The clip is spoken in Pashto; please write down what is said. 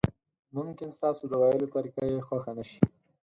ممکن ستاسو د ویلو طریقه یې خوښه نشي.